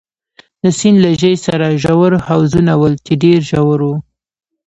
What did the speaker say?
د سیند له ژۍ سره ژور حوضونه ول، چې ډېر ژور وو.